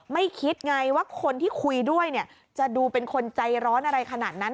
คิดไงว่าคนที่คุยด้วยเนี่ยจะดูเป็นคนใจร้อนอะไรขนาดนั้น